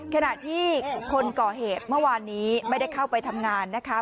ขณะที่คนก่อเหตุเมื่อวานนี้ไม่ได้เข้าไปทำงานนะคะ